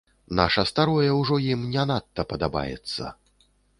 Наша старое ўжо ім не надта падабаецца.